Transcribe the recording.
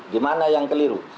gimana yang keliru